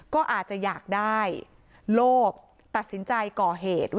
ก็อาจจะอยากได้โลภตัดสินใจก่อเหตุ